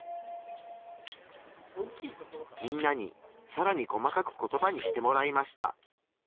みんなにさらに細かくコトバにしてもらいました。